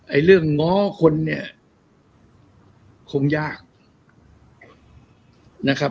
ไอ้เรื่องง้อคนเนี่ยคงยาก